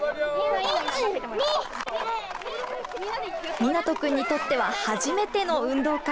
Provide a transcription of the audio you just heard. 海那人君にとっては初めての運動会。